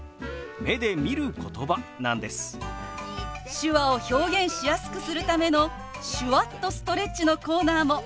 手話を表現しやすくするための「手話っとストレッチ」のコーナーも。